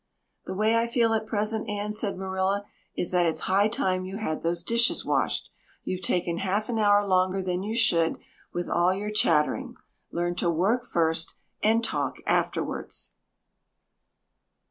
"The way I feel at present, Anne," said Marilla, "is that it's high time you had those dishes washed. You've taken half an hour longer than you should with all your chattering. Learn to work first and talk afterwards."